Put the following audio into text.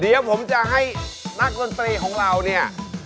เดี๋ยวผมจะให้นักดนตรีของเราเนี่ย